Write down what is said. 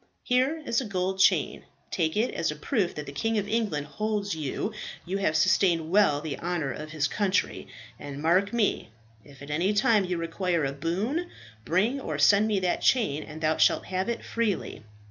Here is a gold chain; take it as a proof that the King of England holds that you have sustained well the honour of his country; and mark me, if at any time you require a boon, bring or send me that chain, and thou shall have it freely.